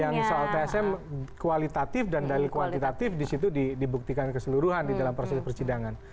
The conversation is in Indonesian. yang soal tsm kualitatif dan dalil kuantitatif di situ dibuktikan keseluruhan di dalam proses persidangan